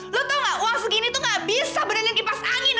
lo tau gak uang segini tuh gak bisa beneran kipas angin